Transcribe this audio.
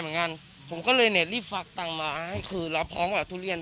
เหมือนกันผมก็เลยเรดรีบฝากตังมาให้คือรับพ้องเอาทุเรียน